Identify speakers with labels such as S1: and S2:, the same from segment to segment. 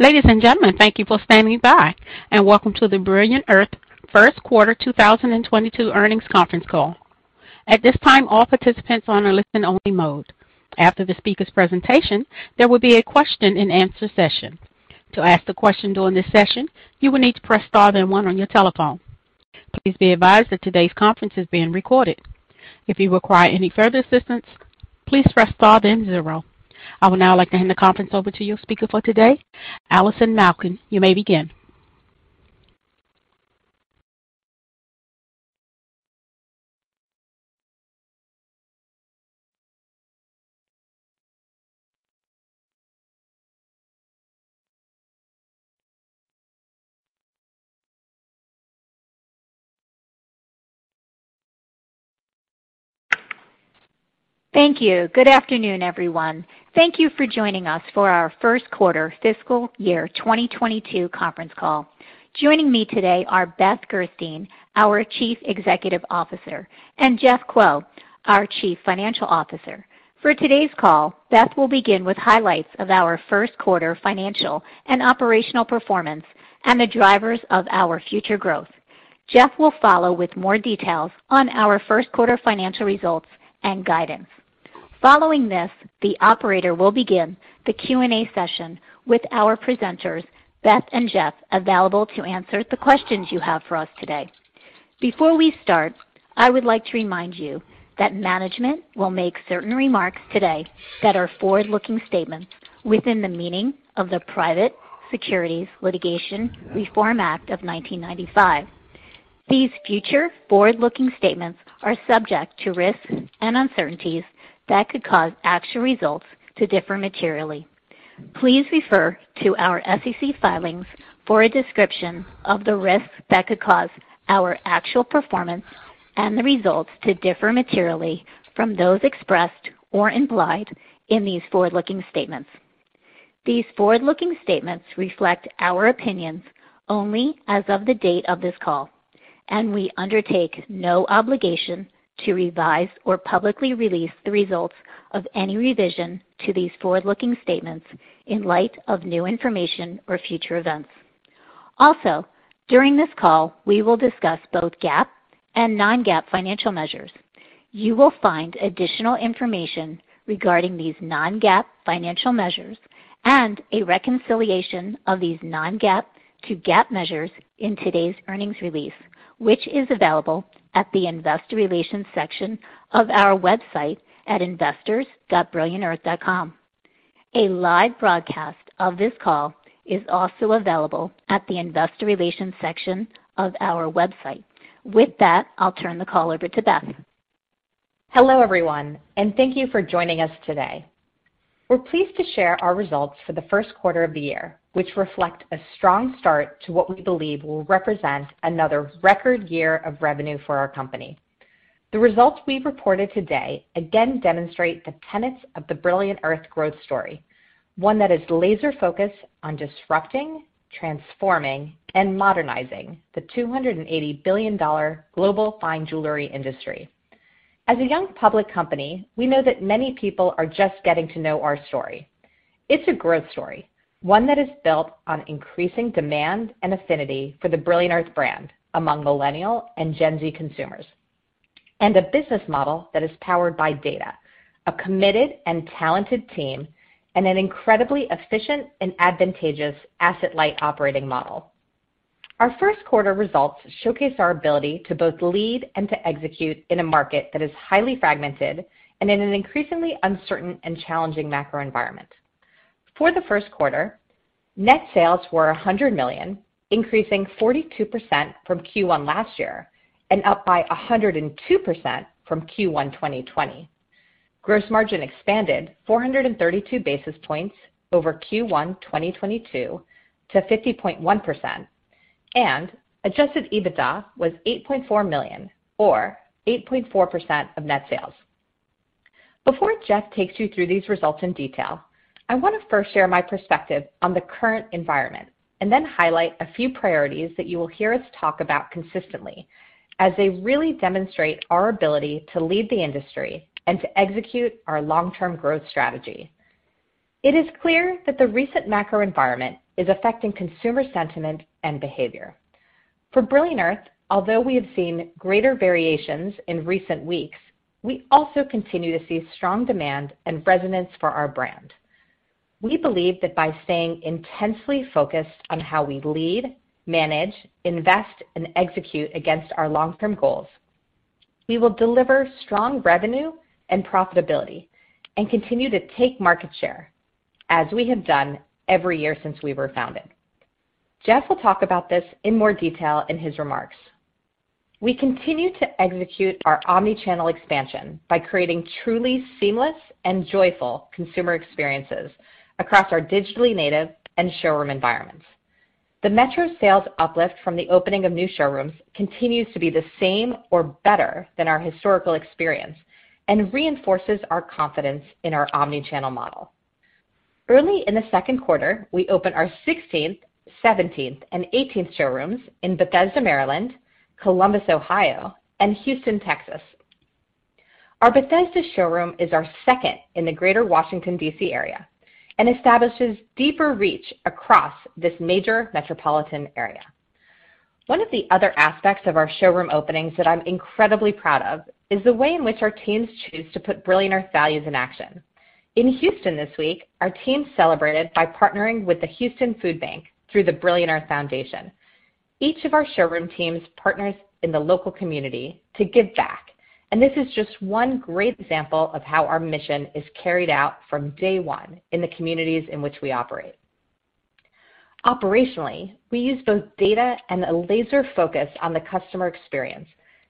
S1: Ladies and gentlemen, thank you for standing by, and welcome to the Brilliant Earth First Quarter 2022 Earnings Conference Call. At this time, all participants are on a listen only mode. After the speaker's presentation, there will be a question-and-answer session. To ask the question during this session, you will need to press Star then 1 on your telephone. Please be advised that today's conference is being recorded. If you require any further assistance, please press Star then 0. I would now like to hand the conference over to your speaker for today, Allison Malkin. You may begin.
S2: Thank you. Good afternoon, everyone. Thank you for joining us for our first quarter fiscal year 2022 conference call. Joining me today are Beth Gerstein, our Chief Executive Officer, and Jeff Kuo, our Chief Financial Officer. For today's call, Beth will begin with highlights of our first quarter financial and operational performance and the drivers of our future growth. Jeff will follow with more details on our first quarter financial results and guidance. Following this, the operator will begin the Q&A session with our presenters, Beth and Jeff, available to answer the questions you have for us today. Before we start, I would like to remind you that management will make certain remarks today that are forward-looking statements within the meaning of the Private Securities Litigation Reform Act of 1995. These future forward-looking statements are subject to risks and uncertainties that could cause actual results to differ materially. Please refer to our SEC filings for a description of the risks that could cause our actual performance and the results to differ materially from those expressed or implied in these forward-looking statements. These forward-looking statements reflect our opinions only as of the date of this call, and we undertake no obligation to revise or publicly release the results of any revision to these forward-looking statements in light of new information or future events. Also, during this call, we will discuss both GAAP and non-GAAP financial measures. You will find additional information regarding these non-GAAP financial measures and a reconciliation of these non-GAAP to GAAP measures in today's earnings release, which is available at the Investor Relations section of our website at investors.brilliantearth.com. A live broadcast of this call is also available at the Investor Relations section of our website. With that, I'll turn the call over to Beth.
S3: Hello, everyone, and thank you for joining us today. We're pleased to share our results for the first quarter of the year, which reflect a strong start to what we believe will represent another record year of revenue for our company. The results we've reported today again demonstrate the tenets of the Brilliant Earth growth story, one that is laser-focused on disrupting, transforming, and modernizing the $280 billion global fine jewelry industry. As a young public company, we know that many people are just getting to know our story. It's a growth story, one that is built on increasing demand and affinity for the Brilliant Earth brand among Millennial and Gen Z consumers, and a business model that is powered by data, a committed and talented team, and an incredibly efficient and advantageous asset-light operating model. Our first quarter results showcase our ability to both lead and to execute in a market that is highly fragmented and in an increasingly uncertain and challenging macro environment. For the first quarter, net sales were $100 million, increasing 42% from Q1 last year and up by 102% from Q1 2020. Gross margin expanded 432 basis points over Q1 2022 to 50.1%, and Adjusted EBITDA was $8.4 million or 8.4% of net sales. Before Jeff takes you through these results in detail, I wanna first share my perspective on the current environment and then highlight a few priorities that you will hear us talk about consistently as they really demonstrate our ability to lead the industry and to execute our long-term growth strategy. It is clear that the recent macro environment is affecting consumer sentiment and behavior. For Brilliant Earth, although we have seen greater variations in recent weeks, we also continue to see strong demand and resonance for our brand. We believe that by staying intensely focused on how we lead, manage, invest, and execute against our long-term goals, we will deliver strong revenue and profitability and continue to take market share as we have done every year since we were founded. Jeff will talk about this in more detail in his remarks. We continue to execute our omni-channel expansion by creating truly seamless and joyful consumer experiences across our digitally native and showroom environments. The metro sales uplift from the opening of new showrooms continues to be the same or better than our historical experience and reinforces our confidence in our omni-channel model. Early in the second quarter, we opened our 16th, 17th, and 18th showrooms in Bethesda, Maryland, Columbus, Ohio, and Houston, Texas. Our Bethesda showroom is our 2nd in the Greater Washington, D.C. area and establishes deeper reach across this major metropolitan area. One of the other aspects of our showroom openings that I'm incredibly proud of is the way in which our teams choose to put Brilliant Earth values in action. In Houston this week, our team celebrated by partnering with the Houston Food Bank through the Brilliant Earth Foundation. Each of our showroom teams partners in the local community to give back, and this is just one great example of how our mission is carried out from day one in the communities in which we operate. Operationally, we use both data and a laser focus on the customer experience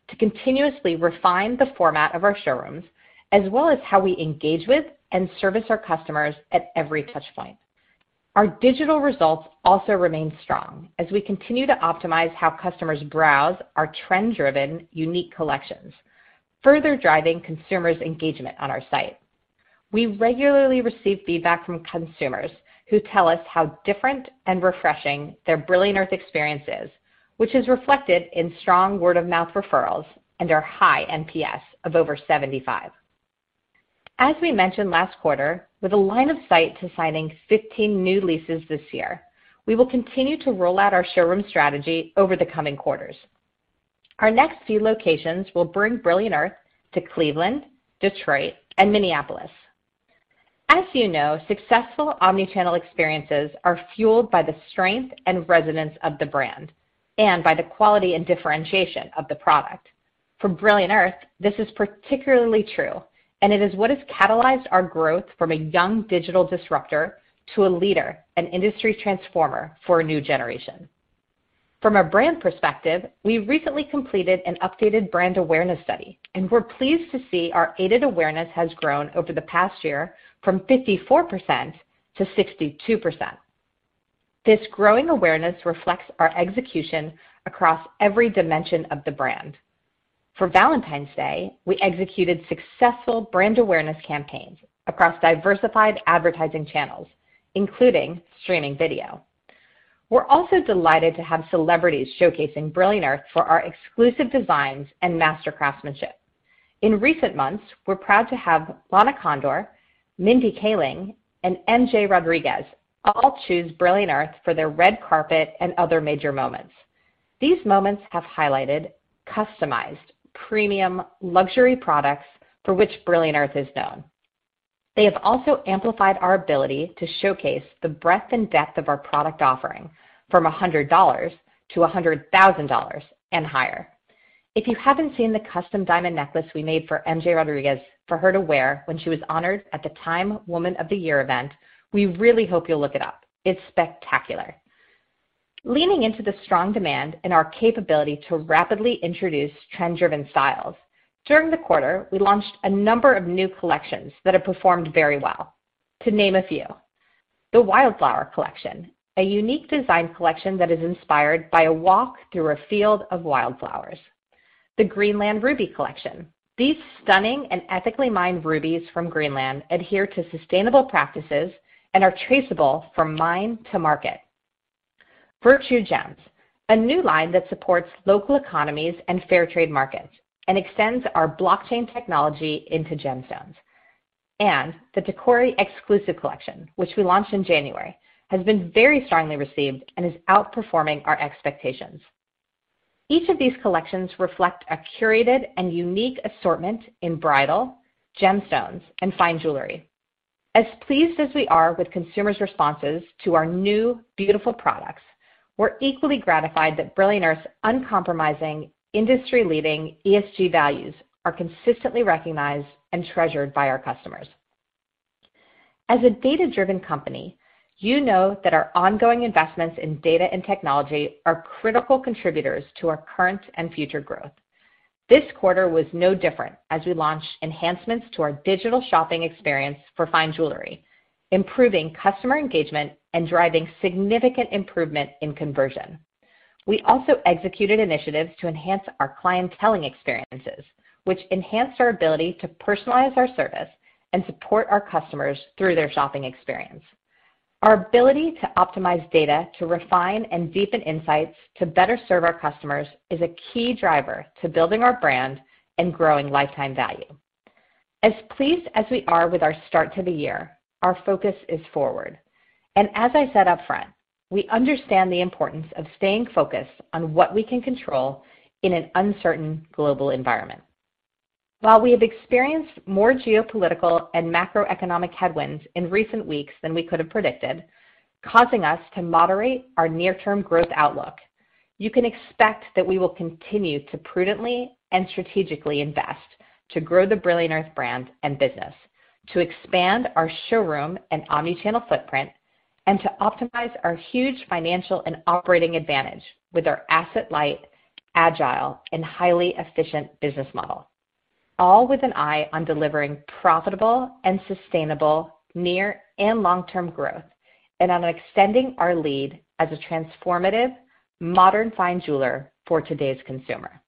S3: to continuously refine the format of our showrooms, as well as how we engage with and service our customers at every touchpoint. Our digital results also remain strong as we continue to optimize how customers browse our trend-driven, unique collections, further driving consumers' engagement on our site. We regularly receive feedback from consumers who tell us how different and refreshing their Brilliant Earth experience is, which is reflected in strong word-of-mouth referrals and our high NPS of over 75. As we mentioned last quarter, with a line of sight to signing 15 new leases this year, we will continue to roll out our showroom strategy over the coming quarters. Our next few locations will bring Brilliant Earth to Cleveland, Detroit, and Minneapolis. As you know, successful omni-channel experiences are fueled by the strength and resonance of the brand and by the quality and differentiation of the product. For Brilliant Earth, this is particularly true, and it is what has catalyzed our growth from a young digital disruptor to a leader and industry transformer for a new generation. From a brand perspective, we recently completed an updated brand awareness study, and we're pleased to see our aided awareness has grown over the past year from 54%-62%. This growing awareness reflects our execution across every dimension of the brand. For Valentine's Day, we executed successful brand awareness campaigns across diversified advertising channels, including streaming video. We're also delighted to have celebrities showcasing Brilliant Earth for our exclusive designs and master craftsmanship. In recent months, we're proud to have Lana Condor, Mindy Kaling, and MJ Rodriguez all choose Brilliant Earth for their red carpet and other major moments. These moments have highlighted customized premium luxury products for which Brilliant Earth is known. They have also amplified our ability to showcase the breadth and depth of our product offering from $100-$100,000 and higher. If you haven't seen the custom diamond necklace we made for MJ Rodriguez for her to wear when she was honored at the TIME Women of the Year event, we really hope you'll look it up. It's spectacular. Leaning into the strong demand and our capability to rapidly introduce trend-driven styles, during the quarter, we launched a number of new collections that have performed very well. To name a few, the Wildflower Collection, a unique design collection that is inspired by a walk through a field of wildflowers. The Greenland Ruby Collection. These stunning and ethically mined rubies from Greenland adhere to sustainable practices and are traceable from mine to market. Virtue Gems, a new line that supports local economies and fair trade markets and extends our blockchain technology into gemstones. The Tacori Exclusive Collection, which we launched in January, has been very strongly received and is outperforming our expectations. Each of these collections reflect a curated and unique assortment in bridal, gemstones, and fine jewelry. As pleased as we are with consumers' responses to our new beautiful products, we're equally gratified that Brilliant Earth's uncompromising industry-leading ESG values are consistently recognized and treasured by our customers. As a data-driven company, you know that our ongoing investments in data and technology are critical contributors to our current and future growth. This quarter was no different as we launched enhancements to our digital shopping experience for fine jewelry, improving customer engagement, and driving significant improvement in conversion. We also executed initiatives to enhance our clienteling experiences, which enhanced our ability to personalize our service and support our customers through their shopping experience. Our ability to optimize data to refine and deepen insights to better serve our customers is a key driver to building our brand and growing lifetime value. As pleased as we are with our start to the year, our focus is forward, and as I said upfront, we understand the importance of staying focused on what we can control in an uncertain global environment. While we have experienced more geopolitical and macroeconomic headwinds in recent weeks than we could have predicted, causing us to moderate our near-term growth outlook, you can expect that we will continue to prudently and strategically invest to grow the Brilliant Earth brand and business, to expand our showroom and omni-channel footprint, and to optimize our huge financial and operating advantage with our asset-light, agile, and highly efficient business model, all with an eye on delivering profitable and sustainable near and long-term growth and on extending our lead as a transformative modern fine jeweler for today's consumer.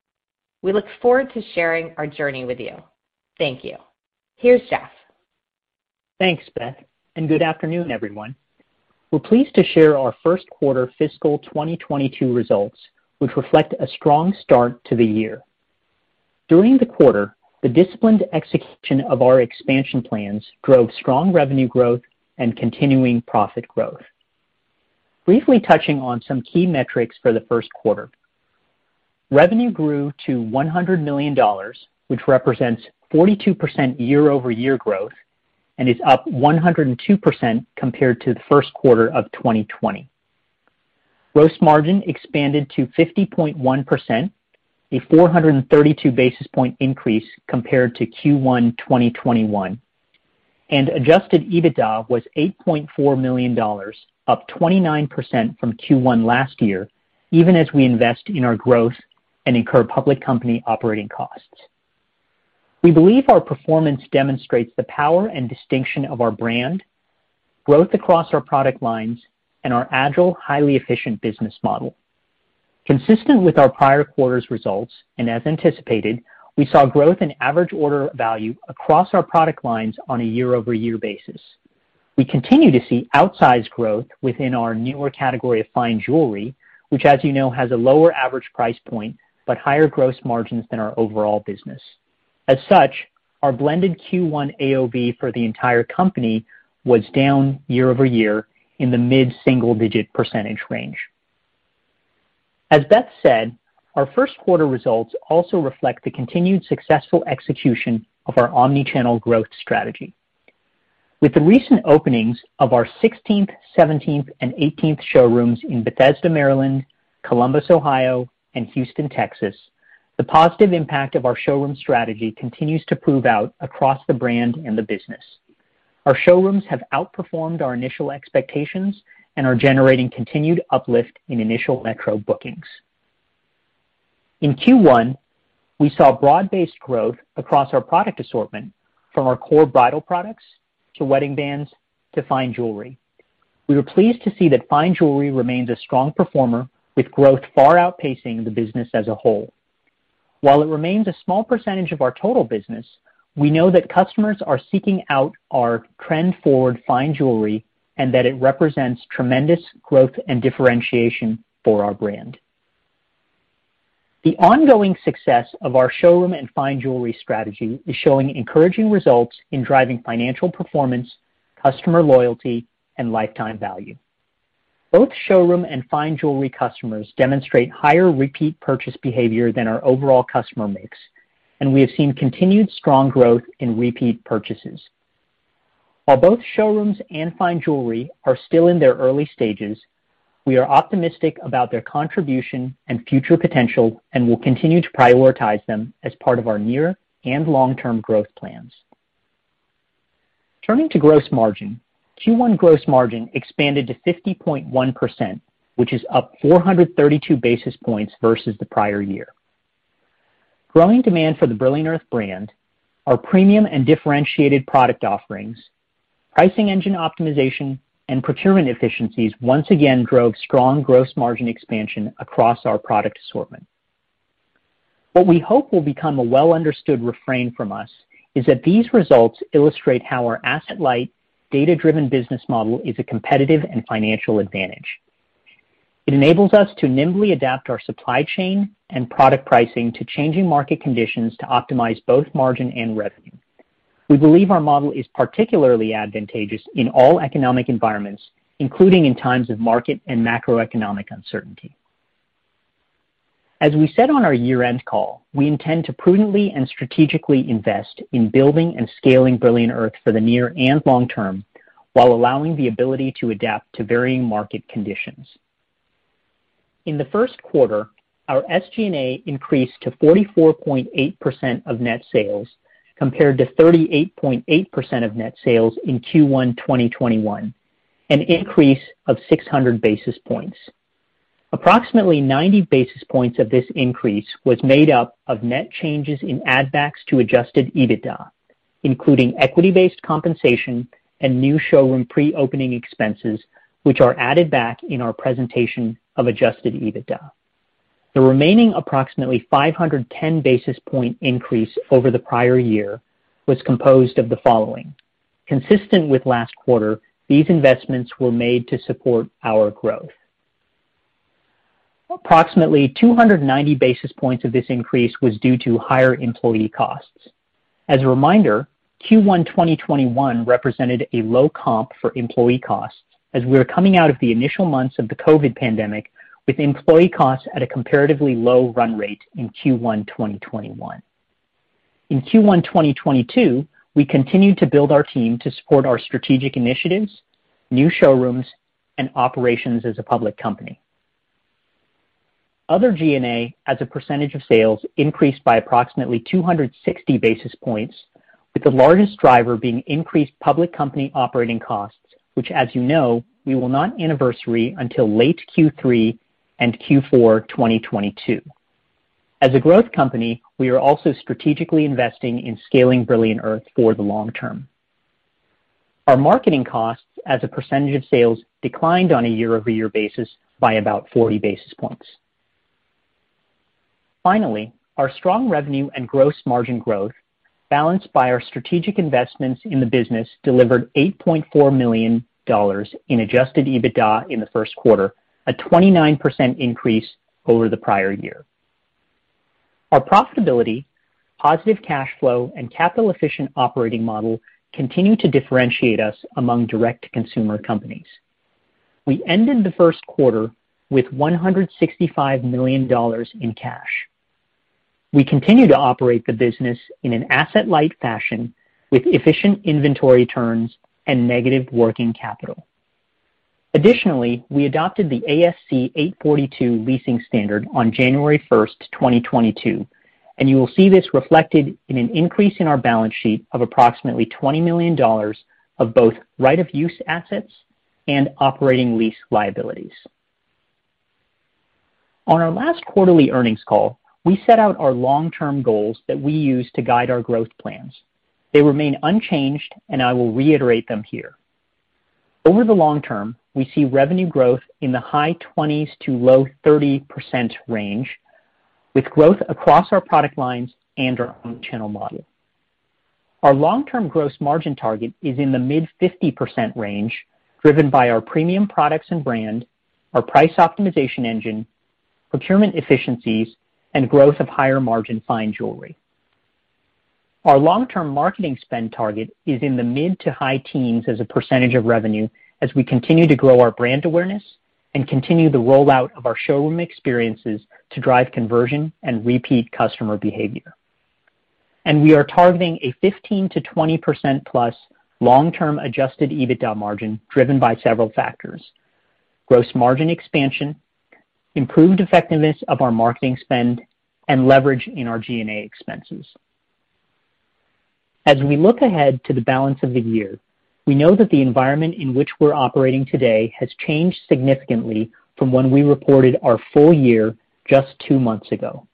S3: We look forward to sharing our journey with you. Thank you. Here's Jeff.
S4: Thanks, Beth, and good afternoon, everyone. We're pleased to share our first quarter fiscal 2022 results, which reflect a strong start to the year. During the quarter, the disciplined execution of our expansion plans drove strong revenue growth and continuing profit growth. Briefly touching on some key metrics for the first quarter. Revenue grew to $100 million, which represents 42% year-over-year growth and is up 102% compared to the first quarter of 2020. Gross margin expanded to 50.1%, a 432 basis point increase compared to Q1 2021. Adjusted EBITDA was $8.4 million, up 29% from Q1 last year, even as we invest in our growth and incur public company operating costs. We believe our performance demonstrates the power and distinction of our brand, growth across our product lines, and our agile, highly efficient business model. Consistent with our prior quarter's results, and as anticipated, we saw growth in average order value across our product lines on a year-over-year basis. We continue to see outsized growth within our newer category of fine jewelry, which, as you know, has a lower average price point, but higher gross margins than our overall business. As such, our blended Q1 AOV for the entire company was down year-over-year in the mid-single-digit percentage range. As Beth said, our first quarter results also reflect the continued successful execution of our omni-channel growth strategy. With the recent openings of our sixteenth, seventeenth, and eighteenth showrooms in Bethesda, Maryland, Columbus, Ohio, and Houston, Texas, the positive impact of our showroom strategy continues to prove out across the brand and the business. Our showrooms have outperformed our initial expectations and are generating continued uplift in initial metro bookings. In Q1, we saw broad-based growth across our product assortment from our core bridal products to wedding bands to fine jewelry. We were pleased to see that fine jewelry remains a strong performer with growth far outpacing the business as a whole. While it remains a small percentage of our total business, we know that customers are seeking out our trend forward fine jewelry and that it represents tremendous growth and differentiation for our brand. The ongoing success of our showroom and fine jewelry strategy is showing encouraging results in driving financial performance, customer loyalty, and lifetime value. Both showroom and fine jewelry customers demonstrate higher repeat purchase behavior than our overall customer mix, and we have seen continued strong growth in repeat purchases. While both showrooms and fine jewelry are still in their early stages, we are optimistic about their contribution and future potential, and we'll continue to prioritize them as part of our near and long-term growth plans. Turning to gross margin. Q1 gross margin expanded to 50.1%, which is up 432 basis points versus the prior year. Growing demand for the Brilliant Earth brand, our premium and differentiated product offerings, pricing engine optimization, and procurement efficiencies once again drove strong gross margin expansion across our product assortment. What we hope will become a well-understood refrain from us is that these results illustrate how our asset-light, data-driven business model is a competitive and financial advantage. It enables us to nimbly adapt our supply chain and product pricing to changing market conditions to optimize both margin and revenue. We believe our model is particularly advantageous in all economic environments, including in times of market and macroeconomic uncertainty. As we said on our year-end call, we intend to prudently and strategically invest in building and scaling Brilliant Earth for the near and long term while allowing the ability to adapt to varying market conditions. In the first quarter, our SG&A increased to 44.8% of net sales compared to 38.8% of net sales in Q1 2021, an increase of 600 basis points. Approximately 90 basis points of this increase was made up of net changes in add backs to Adjusted EBITDA, including equity-based compensation and new showroom pre-opening expenses, which are added back in our presentation of Adjusted EBITDA. The remaining approximately 510 basis point increase over the prior year was composed of the following. Consistent with last quarter, these investments were made to support our growth. Approximately 290 basis points of this increase was due to higher employee costs. As a reminder, Q1 2021 represented a low comp for employee costs as we are coming out of the initial months of the COVID pandemic, with employee costs at a comparatively low run rate in Q1 2021. In Q1 2022, we continued to build our team to support our strategic initiatives, new showrooms, and operations as a public company. Other G&A as a percentage of sales increased by approximately 260 basis points, with the largest driver being increased public company operating costs, which, as you know, we will not anniversary until late Q3 and Q4 2022. As a growth company, we are also strategically investing in scaling Brilliant Earth for the long term. Our marketing costs as a percentage of sales declined on a year-over-year basis by about 40 basis points. Finally, our strong revenue and gross margin growth, balanced by our strategic investments in the business, delivered $8.4 million in Adjusted EBITDA in the first quarter, a 29% increase over the prior year. Our profitability, positive cash flow, and capital efficient operating model continue to differentiate us among direct-to-consumer companies. We ended the first quarter with $165 million in cash. We continue to operate the business in an asset-light fashion with efficient inventory turns and negative working capital. Additionally, we adopted the ASC 842 leasing standard on January 1, 2022, and you will see this reflected in an increase in our balance sheet of approximately $20 million of both right of use assets and operating lease liabilities. On our last quarterly earnings call, we set out our long-term goals that we use to guide our growth plans. They remain unchanged, and I will reiterate them here. Over the long term, we see revenue growth in the high 20s%-low 30% range, with growth across our product lines and our omnichannel model. Our long-term gross margin target is in the mid-50% range, driven by our premium products and brand, our price optimization engine, procurement efficiencies, and growth of higher margin fine jewelry. Our long-term marketing spend target is in the mid- to high-teens percentage of revenue as we continue to grow our brand awareness and continue the rollout of our showroom experiences to drive conversion and repeat customer behavior. We are targeting a 15%-20%+ long-term Adjusted EBITDA margin driven by several factors. Gross margin expansion, improved effectiveness of our marketing spend, and leverage in our G&A expenses. We look ahead to the balance of the year. We know that the environment in which we're operating today has changed significantly from when we reported our full year just two months ago.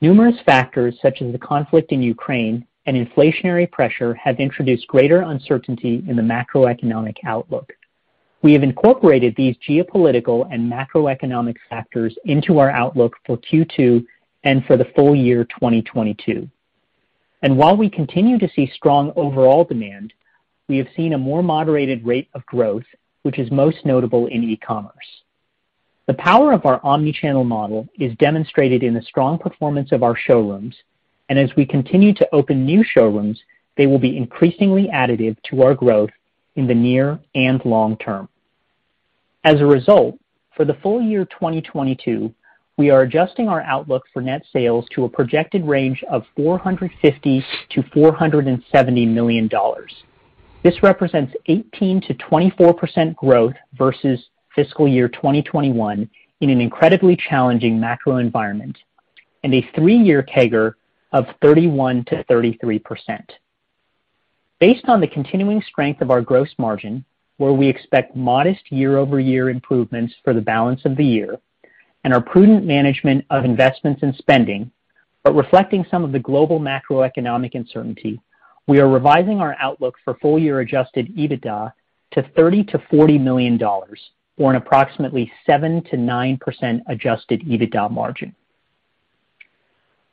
S4: Numerous factors, such as the conflict in Ukraine and inflationary pressure, have introduced greater uncertainty in the macroeconomic outlook. We have incorporated these geopolitical and macroeconomic factors into our outlook for Q2 and for the full year 2022. While we continue to see strong overall demand, we have seen a more moderated rate of growth, which is most notable in e-commerce. The power of our omnichannel model is demonstrated in the strong performance of our showrooms, and as we continue to open new showrooms, they will be increasingly additive to our growth in the near and long term. As a result, for the full year 2022, we are adjusting our outlook for net sales to a projected range of $450 million-$470 million. This represents 18%-24% growth versus fiscal year 2021 in an incredibly challenging macro environment and a three-year CAGR of 31%-33%. Based on the continuing strength of our gross margin, where we expect modest year-over-year improvements for the balance of the year and our prudent management of investments and spending, but reflecting some of the global macroeconomic uncertainty, we are revising our outlook for full-year Adjusted EBITDA to $30 million-$40 million, or an approximately 7%-9% Adjusted EBITDA margin.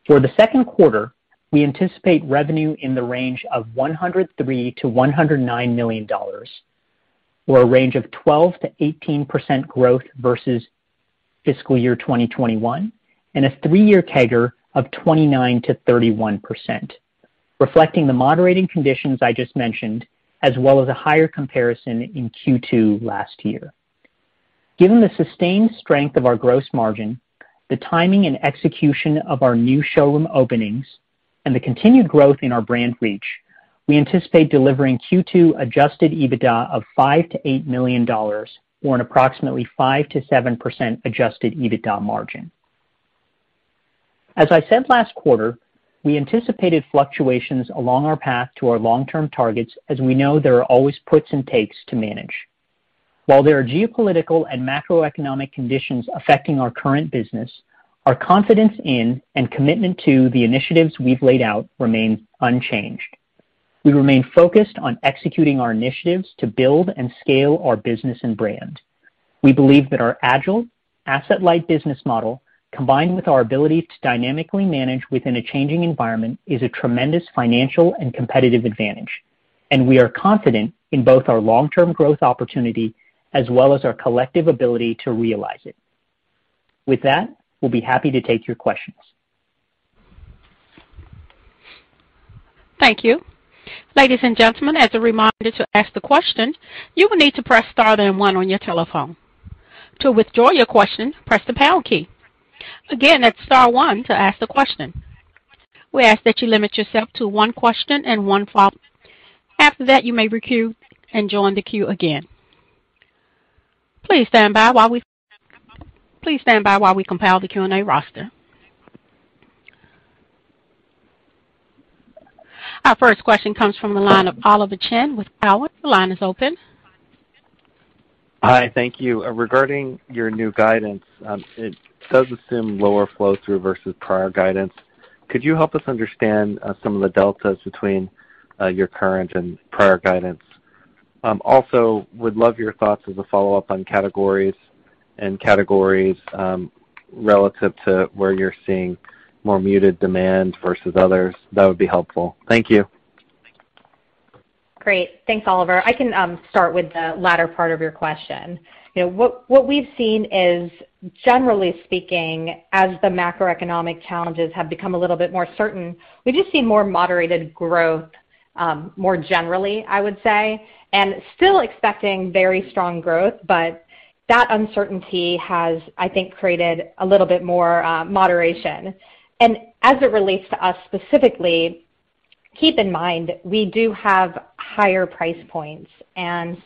S4: For the second quarter, we anticipate revenue in the range of $103 million-$109 million, or a range of 12%-18% growth versus fiscal year 2021, and a three-year CAGR of 29%-31%, reflecting the moderating conditions I just mentioned, as well as a higher comparison in Q2 last year. Given the sustained strength of our gross margin, the timing and execution of our new showroom openings, and the continued growth in our brand reach, we anticipate delivering Q2 Adjusted EBITDA of $5 million-$8 million or an approximately 5%-7% Adjusted EBITDA margin. As I said last quarter, we anticipated fluctuations along our path to our long-term targets, as we know there are always puts and takes to manage. While there are geopolitical and macroeconomic conditions affecting our current business, our confidence in and commitment to the initiatives we've laid out remain unchanged. We remain focused on executing our initiatives to build and scale our business and brand. We believe that our agile asset-light business model, combined with our ability to dynamically manage within a changing environment, is a tremendous financial and competitive advantage. We are confident in both our long-term growth opportunity as well as our collective ability to realize it. With that, we'll be happy to take your questions.
S1: Thank you. Ladies and gentlemen, as a reminder to ask the question, you will need to press star then 1 on your telephone. To withdraw your question, press the pound key. Again, that's star one to ask the question. We ask that you limit yourself to one question and one follow-up. After that, you may be queued and join the queue again. Please stand by while we compile the Q&A roster. Our first question comes from the line of Oliver Chen with Cowen. The line is open.
S5: Hi. Thank you. Regarding your new guidance, it does assume lower flow through versus prior guidance. Could you help us understand some of the deltas between your current and prior guidance? Also would love your thoughts as a follow-up on categories relative to where you're seeing more muted demand versus others. That would be helpful. Thank you.
S3: Great. Thanks, Oliver. I can start with the latter part of your question. You know, what we've seen is, generally speaking, as the macroeconomic challenges have become a little bit more certain, we just see more moderated growth, more generally, I would say, and still expecting very strong growth, but that uncertainty has, I think, created a little bit more moderation. As it relates to us specifically, keep in mind we do have higher price points.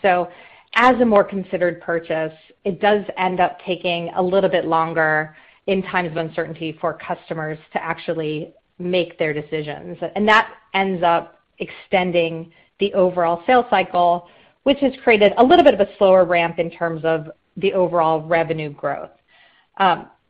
S3: So as a more considered purchase, it does end up taking a little bit longer in times of uncertainty for customers to actually make their decisions. That ends up extending the overall sales cycle, which has created a little bit of a slower ramp in terms of the overall revenue growth.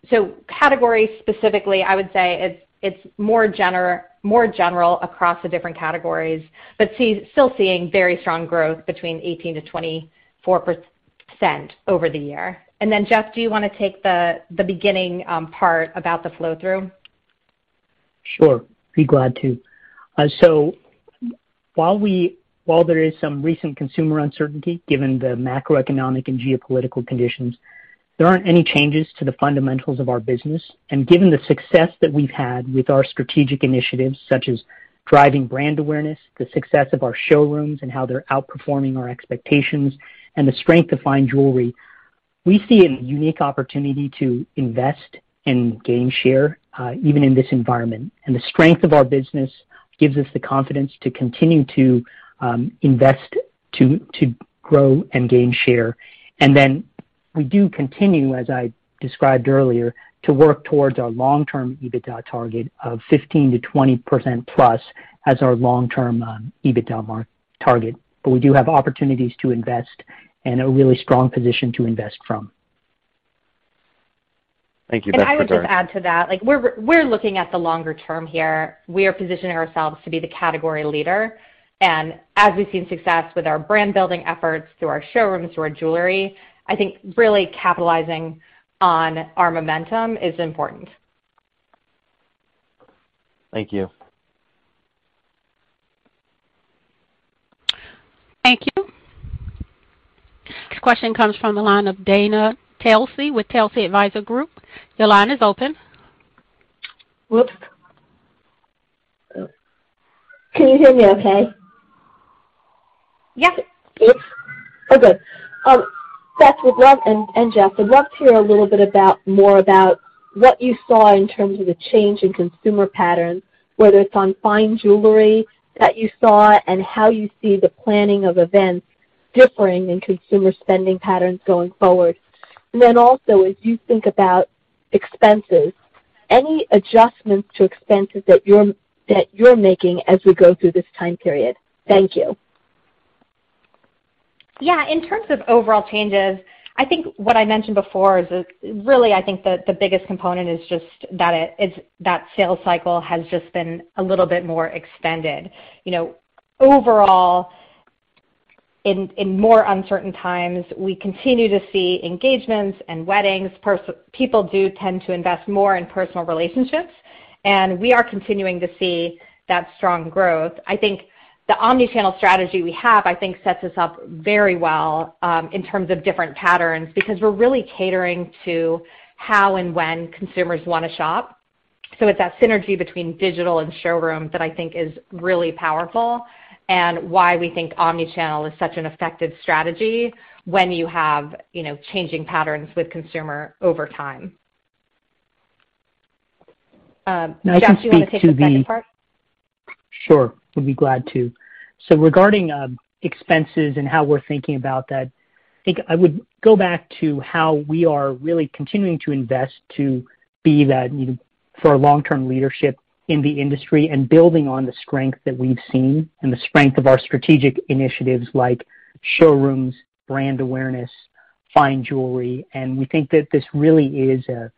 S3: Category specifically, I would say it's more general across the different categories, but still seeing very strong growth between 18%-24% over the year. Then Jeff, do you wanna take the beginning part about the flow-through?
S4: Sure. Be glad to. While there is some recent consumer uncertainty given the macroeconomic and geopolitical conditions, there aren't any changes to the fundamentals of our business. Given the success that we've had with our strategic initiatives, such as driving brand awareness, the success of our showrooms and how they're outperforming our expectations, and the strength of fine jewelry, we see a unique opportunity to invest and gain share, even in this environment. The strength of our business gives us the confidence to continue to invest, to grow and gain share. We do continue, as I described earlier, to work towards our long-term EBITDA target of 15%-20%+ as our long-term EBITDA margin target. We do have opportunities to invest and a really strong position to invest from.
S5: Thank you, Beth and Jeff.
S3: I would just add to that, like we're looking at the longer term here. We are positioning ourselves to be the category leader. As we've seen success with our brand-building efforts through our showrooms, through our jewelry, I think really capitalizing on our momentum is important.
S5: Thank you.
S1: Thank you. The question comes from the line of Dana Telsey with Telsey Advisory Group. Your line is open.
S6: Whoops. Can you hear me okay?
S1: Yes.
S6: Oh, good. Beth and Jeff, I'd love to hear a little bit about more about what you saw in terms of the change in consumer patterns, whether it's on fine jewelry that you saw and how you see the planning of events differing in consumer spending patterns going forward. Then also, as you think about expenses, any adjustments to expenses that you're making as we go through this time period? Thank you.
S3: Yeah. In terms of overall changes, I think what I mentioned before is really I think the biggest component is just that it's that sales cycle has just been a little bit more extended. You know, overall, in more uncertain times, we continue to see engagements and weddings. People do tend to invest more in personal relationships, and we are continuing to see that strong growth. I think the omni-channel strategy we have, I think sets us up very well, in terms of different patterns, because we're really catering to how and when consumers wanna shop. It's that synergy between digital and showroom that I think is really powerful and why we think omni-channel is such an effective strategy when you have, you know, changing patterns with consumer over time. Jeff, do you wanna take the second part?
S4: Sure. Would be glad to. Regarding expenses and how we're thinking about that, I think I would go back to how we are really continuing to invest to be that, you know, for a long-term leadership in the industry and building on the strength that we've seen and the strength of our strategic initiatives like showrooms, brand awareness, fine jewelry, and we think that this really is a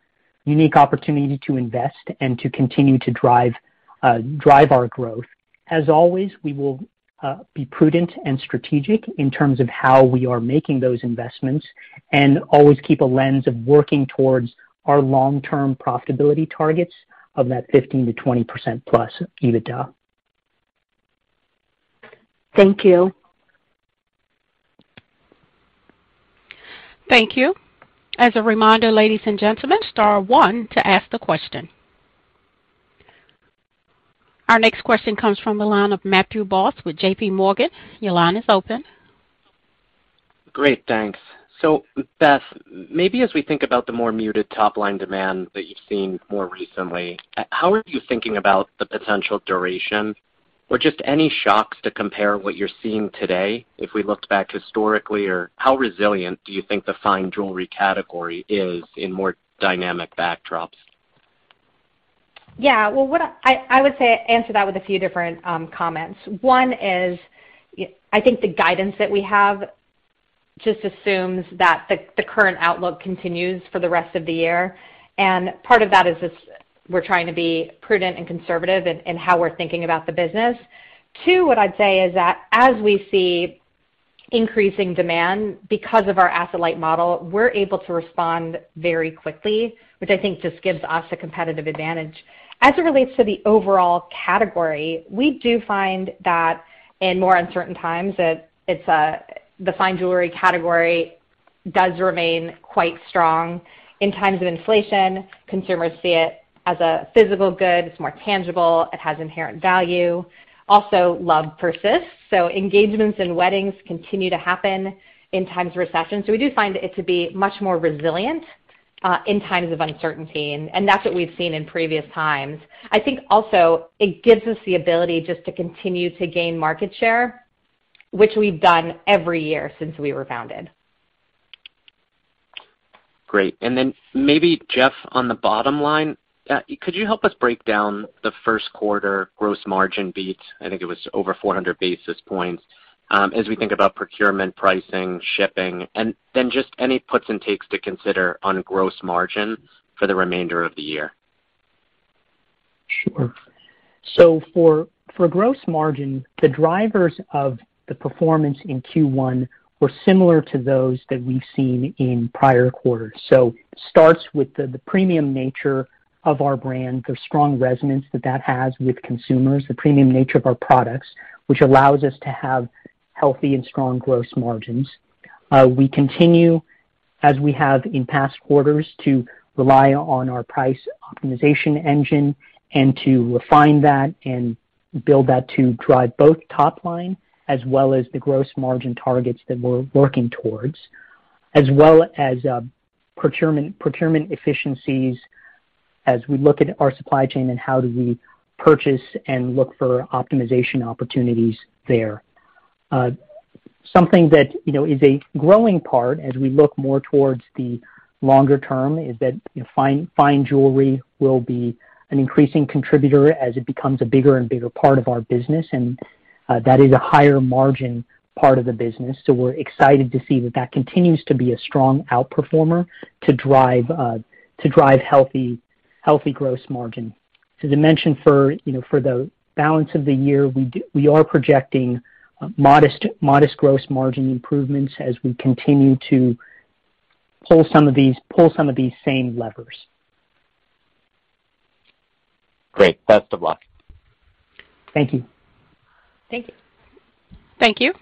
S4: unique opportunity to invest and to continue to drive our growth. As always, we will be prudent and strategic in terms of how we are making those investments and always keep a lens of working towards our long-term profitability targets of that 15%-20%+ EBITDA.
S6: Thank you.
S1: Thank you. As a reminder, ladies and gentlemen, star 1 to ask the question. Our next question comes from the line of Matthew Boss with JP Morgan. Your line is open.
S7: Great, thanks. Beth, maybe as we think about the more muted top-line demand that you've seen more recently, how are you thinking about the potential duration or just any shocks to compare what you're seeing today if we looked back historically, or how resilient do you think the fine jewelry category is in more dynamic backdrops?
S3: Yeah. Well, what I would say answer that with a few different comments. One is, I think the guidance that we have just assumes that the current outlook continues for the rest of the year. Part of that is just we're trying to be prudent and conservative in how we're thinking about the business. Two, what I'd say is that as we see increasing demand because of our asset-light model, we're able to respond very quickly, which I think just gives us a competitive advantage. As it relates to the overall category, we do find that in more uncertain times, the fine jewelry category does remain quite strong. In times of inflation, consumers see it as a physical good. It's more tangible. It has inherent value. Also, love persists, so engagements and weddings continue to happen in times of recession. We do find it to be much more resilient in times of uncertainty, and that's what we've seen in previous times. I think also it gives us the ability just to continue to gain market share, which we've done every year since we were founded.
S7: Great. Maybe, Jeff, on the bottom line, could you help us break down the first quarter gross margin beat? I think it was over 400 basis points, as we think about procurement, pricing, shipping. Just any puts and takes to consider on gross margins for the remainder of the year?
S4: Sure. For gross margin, the drivers of the performance in Q1 were similar to those that we've seen in prior quarters. Starts with the premium nature of our brand, the strong resonance that has with consumers, the premium nature of our products, which allows us to have healthy and strong gross margins. We continue, as we have in past quarters, to rely on our price optimization engine and to refine that and build that to drive both top line as well as the gross margin targets that we're working towards, as well as procurement efficiencies as we look at our supply chain and how do we purchase and look for optimization opportunities there. Something that, you know, is a growing part as we look more towards the longer term is that, you know, fine jewelry will be an increasing contributor as it becomes a bigger and bigger part of our business, and that is a higher margin part of the business. We're excited to see that continues to be a strong outperformer to drive healthy gross margin. As I mentioned for, you know, for the balance of the year, we are projecting modest gross margin improvements as we continue to pull some of these same levers.
S7: Great. Best of luck.
S4: Thank you.
S3: Thank you.
S1: Thank you.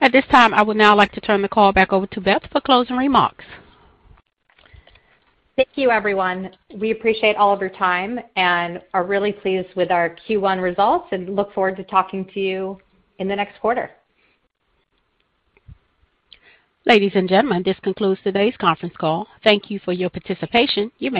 S1: At this time, I would now like to turn the call back over to Beth for closing remarks.
S3: Thank you, everyone. We appreciate all of your time and are really pleased with our Q1 results and look forward to talking to you in the next quarter.
S1: Ladies and gentlemen, this concludes today's conference call. Thank you for your participation. You may disconnect.